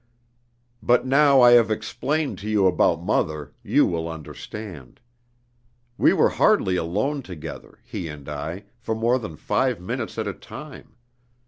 But now I have explained to you about mother, you will understand. We were hardly alone together, he and I, for more than five minutes at a time.